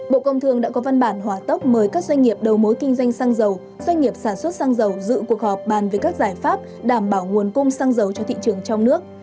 bộ công thương đã có văn bản hòa tốc mời các doanh nghiệp đầu mối kinh doanh xăng dầu doanh nghiệp sản xuất xăng dầu dự cuộc họp bàn về các giải pháp đảm bảo nguồn cung xăng dầu cho thị trường trong nước